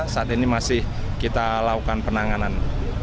saat ini masih kita lakukan penanganan